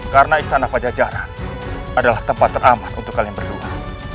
karena istana pajajaran adalah tempat teramat untuk kalian berdua